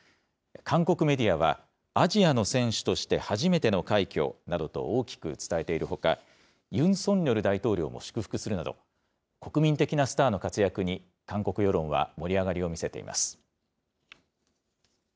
韓国メディアは、アジアの選手として初めての快挙などと、大きく伝えているほか、ユン・ソンニョル大統領も祝福するなど、国民的なスターの活躍に韓国世論は盛り上がりを見せています。